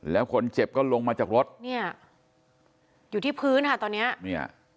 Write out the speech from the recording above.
แล้วคนเจ็บก็ลงมาจากรถเนี่ยอยู่ที่พื้นค่ะตอนเนี้ย